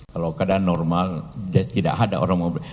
kalau keadaan normal tidak ada orang